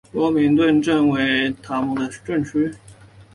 法明顿镇区为美国堪萨斯州斯塔福德县辖下的镇区。